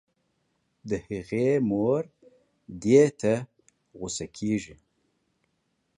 د هغې مور دې ته غو سه کيږي